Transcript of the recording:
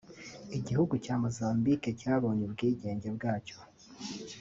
Igihugu cya Mozambique cyabonye ubwigenge bwacyo